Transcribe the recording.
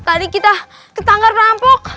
tadi kita ketanggar rampok